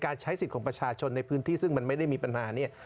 ใช้สิทธิ์ของประชาชนในพื้นที่ซึ่งมันไม่ได้มีปัญหาเนี่ย